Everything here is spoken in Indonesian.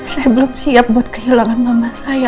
saya belum siap buat kehilangan mama saya